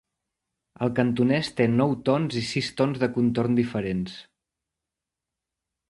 El cantonès té nou tons i sis tons de contorn diferents.